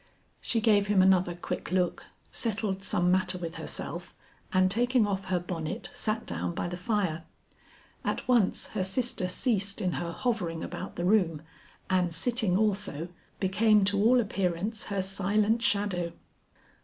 She gave him another quick look, settled some matter with herself and taking off her bonnet, sat down by the fire. At once her sister ceased in her hovering about the room and sitting also, became to all appearance her silent shadow.